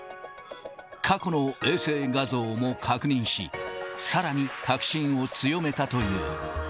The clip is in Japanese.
過去の衛星画像も確認し、さらに確信を強めたという。